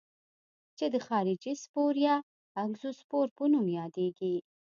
چې د خارجي سپور یا اګزوسپور په نوم یادیږي.